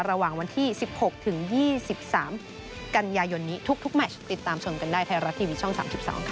ระหว่างวันที่๑๖ถึง๒๓กันยายนนี้ทุกแมชติดตามชมกันได้ไทยรัฐทีวีช่อง๓๒ค่ะ